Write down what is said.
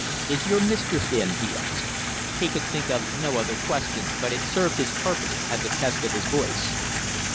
"Is your mistress in?" he asked. He could think of no other question, but it served his purpose as a test of his voice.